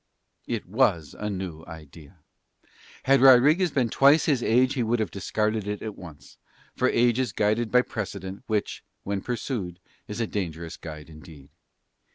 It was a new idea. Had Rodriguez been twice his age he would have discarded it at once; for age is guided by precedent which, when pursued, is a dangerous guide indeed.